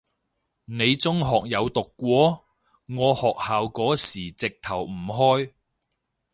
你中學有讀過？我學校嗰時直頭唔開